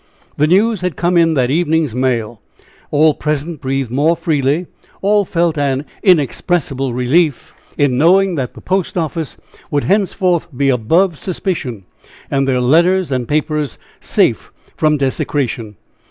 The news had come in that evening's mail! All present breathed more freely all felt an inexpressible relief in knowing that the post office would henceforth be above suspicion, and their letters and papers safe from, desecration.